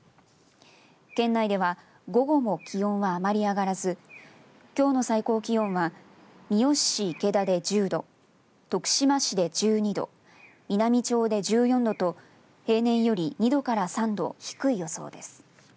県内では午後も気温はあまり上がらずきょうの最高気温は三好市池田で１０度徳島市で１２度美波町で１４度と平年より２度から３度低い予想です。